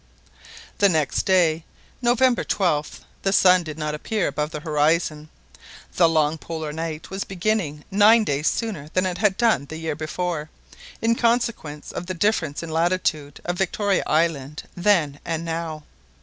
The next day, November 12th, the sun did not appear above the horizon. The long Polar night was beginning nine days sooner than it had done the year before, in consequence of the difference in the latitude of Victoria Island then and now.